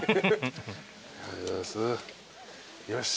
よし。